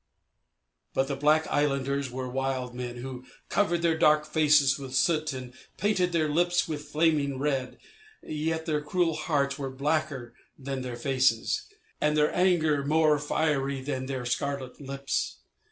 But the black islanders were wild men who covered their dark faces with soot and painted their lips with flaming red, yet their cruel hearts were blacker than their faces, and their anger more fiery than their scarlet lips.